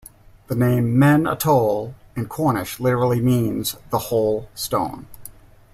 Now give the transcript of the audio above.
The name "Men an Toll" in Cornish literally means "the hole stone".